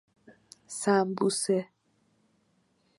سمبوسه